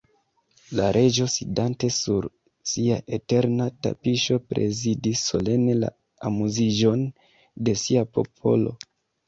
La Reĝo, sidante sur sia eterna tapiŝo, prezidis solene la amuziĝon de sia popolo.